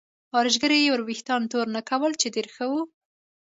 ارایشګرې یې وریښتان تورنۍ کول چې ډېر ښه و.